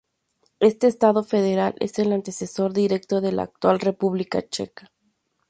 Este estado federal es el antecesor directo de la actual República Checa.